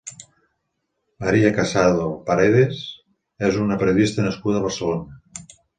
Maria Casado Paredes és una periodista nascuda a Barcelona.